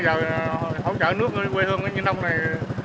bây giờ hỗ trợ nước quê hương những đông này